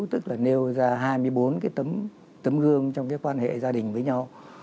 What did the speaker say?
tức là nêu ra hai mươi bốn tấm gương trong quan hệ gia đình với nhau